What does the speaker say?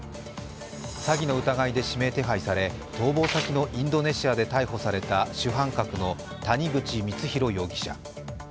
詐欺の疑いで指名手配され逃亡先のインドネシアで逮捕された主犯格の谷口光弘容疑者。